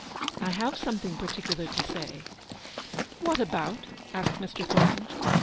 " I have something particular to say." " What about ?" asked Mr. Thornton.